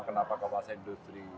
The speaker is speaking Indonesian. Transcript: kenapa kawasan industri